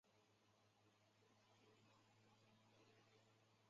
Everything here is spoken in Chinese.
翰林出身。